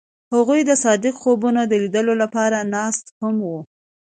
هغوی د صادق خوبونو د لیدلو لپاره ناست هم وو.